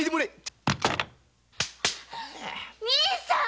兄さん！